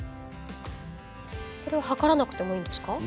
これは測らなくてもいいんですか？